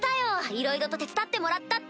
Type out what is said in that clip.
いろいろと手伝ってもらったって。